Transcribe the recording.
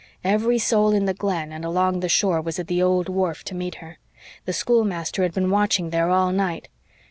"Every soul in the Glen and along the shore was at the old wharf to meet her. The schoolmaster had been watching there all night.